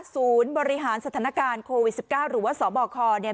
ศูนย์บริหารสถานการณ์โควิด๑๙หรือว่าสบคเนี่ย